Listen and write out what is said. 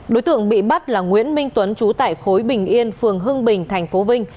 đối tượng bị bắt là nguyễn minh tuấn trú tại khối bình yên phường hưng bình tp vinh